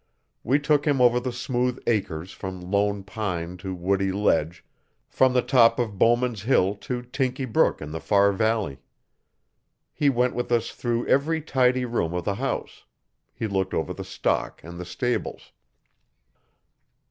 We took him over the smooth acres from Lone Pine to Woody Ledge, from the top of Bowman's Hill to Tinkie Brook in the far valley. He went with us through every tidy room of the house. He looked over the stock and the stables.